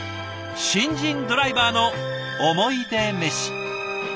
新人ドライバーの「おもいでメシ」。